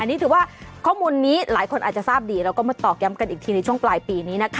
นี่ถือว่าข้อมูลนี้หลายคนอาจจะทราบดีแล้วก็มาตอกย้ำกันอีกทีในช่วงปลายปีนี้นะคะ